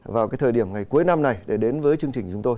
vào thời điểm ngày cuối năm này để đến với chương trình chúng tôi